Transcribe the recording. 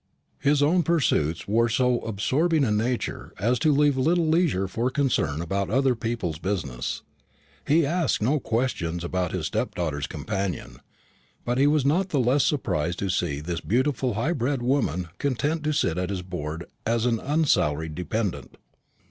His own pursuits were of so absorbing a nature as to leave little leisure for concern about other people's business. He asked no questions about his stepdaughter's companion; but he was not the less surprised to see this beautiful high bred woman content to sit at his board as an unsalaried dependent.